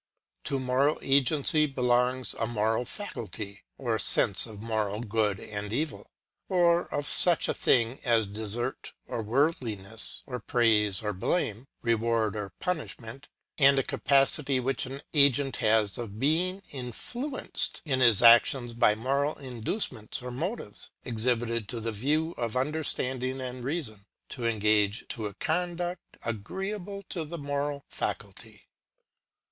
To moral agency be longs a moral faculty t or sense of moral good and evil, or of such a tiling as desert or worthiness, of praise or blame, reward or punishment ; and a capacity which an agent has of being influenced in his actions by moral induce ments or motives, exhibited to the view of understanding and reason, to engage to a conduct agreeable to the mor al faculty.